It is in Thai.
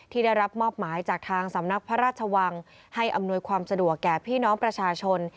ได้รับมอบหมายจากทางสำนักพระราชวังให้อำนวยความสะดวกแก่พี่น้องประชาชน